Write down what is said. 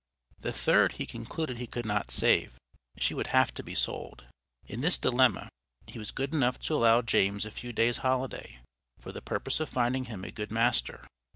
The third, he concluded he could not save, she would have to be sold. In this dilemma, he was good enough to allow James a few days' holiday, for the purpose of finding him a good master.